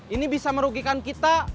ini bisa merugikan kita